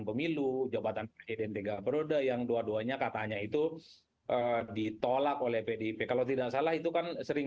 pemilu jawabannya yang dua duanya katanya itu ditolak oleh pdp kalau tidak salah itu kan sering